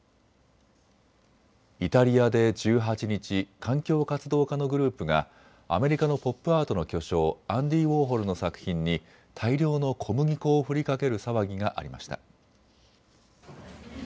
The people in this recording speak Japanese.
イタリアで１８日、環境活動家のグループがアメリカのポップアートの巨匠、アンディ・ウォーホルの作品に大量の小麦粉を振りかける騒ぎがありました。